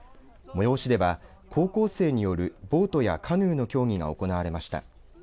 催しでは高校生によるボートやカヌーの競技が行われました。